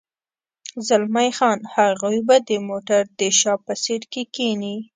زلمی خان: هغوی به د موټر د شا په سېټ کې کېني.